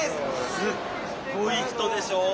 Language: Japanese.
すっごい人でしょ？